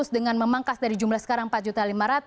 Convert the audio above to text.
dengan memangkas dari jumlah sekarang empat lima ratus